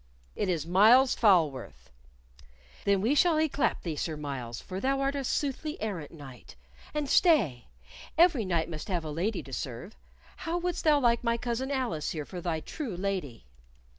"It is Myles Falworth." "Then we shall yclep thee Sir Myles, for thou art a soothly errant knight. And stay! Every knight must have a lady to serve. How wouldst thou like my Cousin Alice here for thy true lady?"